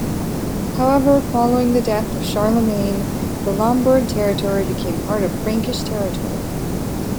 However, following the death of Charlemagne, the Lombard territory became part of Frankish territory.